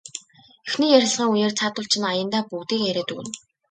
Эхний ярилцлагын үеэр цаадуул чинь аяндаа бүгдийг яриад өгнө.